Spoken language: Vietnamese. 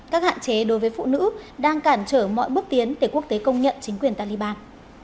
các hạn chế đối với phụ nữ đang cản trở mọi bước tiến để quốc tế công nhận chính quyền taliban